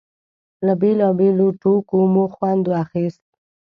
له بېلابېلو ټوکو مو خوند اخيست.